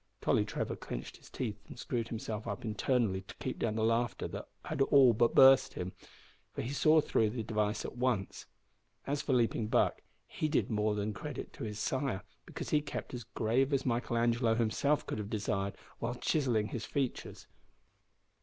Tolly Trevor clenched his teeth and screwed himself up internally to keep down the laughter that all but burst him, for he saw through the device at once. As for Leaping Buck, he did more than credit to his sire, because he kept as grave as Michael Angelo himself could have desired while chiselling his features.